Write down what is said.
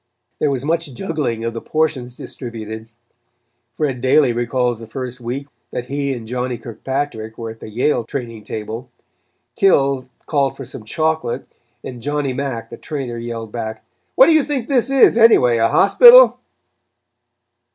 There was much juggling of the portions distributed. Fred Daly recalls the first week that he and Johnnie Kilpatrick were at the Yale training table. Kil called for some chocolate, and Johnnie Mack, the trainer, yelled back: "What do you think this is, anyway, a hospital?"